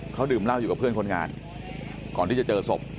เล่าอยู่กับเพื่อนคนงานก่อนที่จะเจอศพ